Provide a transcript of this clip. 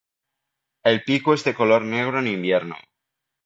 El pico es de color negro en invierno.